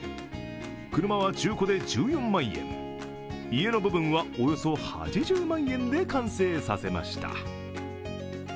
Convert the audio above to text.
車は中古で１４万円、家の部分はおよそ８０万円で完成させました。